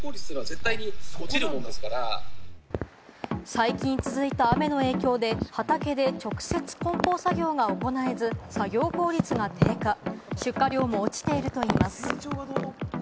最近続いた雨の影響で、畑で直接梱包作業が行えず、作業効率が低下、出荷量も落ちているといいます。